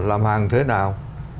làm hàng thế nào